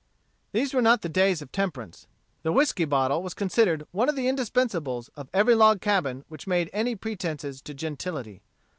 These were not the days of temperance. The whiskey bottle was considered one of the indispensables of every log cabin which made any pretences to gentility.